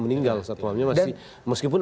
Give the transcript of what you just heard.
meninggal satpamnya meskipun